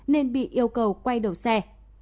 nên bị yêu cầu quay đầu xe